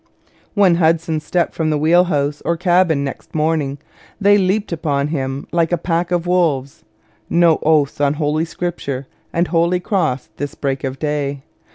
When Hudson stepped from the wheel house or cabin next morning, they leaped upon him like a pack of wolves. No oaths on Scripture and Holy Cross this break of day!